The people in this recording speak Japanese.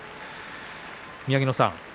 宮城野さん